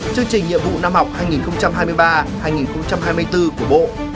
chương trình nhiệm vụ năm học hai nghìn hai mươi ba hai nghìn hai mươi bốn của bộ